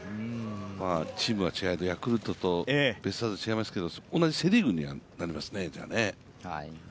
チームは違えど、ヤクルトとベイスターズと違いますけれども同じセ・リーグになりますね。